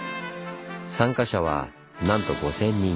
参加者はなんと５０００人。